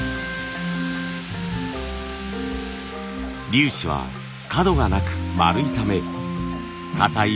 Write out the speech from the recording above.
粒子は角がなく丸いためかたい